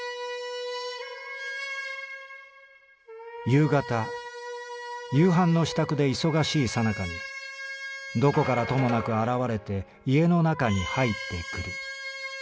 「夕方夕飯の支度で忙しいさなかにどこからともなく現れて家の中に入ってくる。